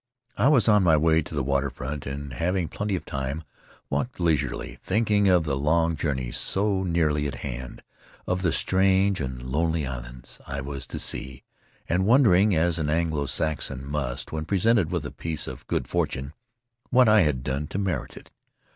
I was on my way to the water front, and, having plenty of time, walked leisurely, thinking of the long journey so nearly at hand, of the strange and lonely islands I was to see, and wondering, as an Anglo Saxon must when presented with a piece of good fortune, what I had done to merit it.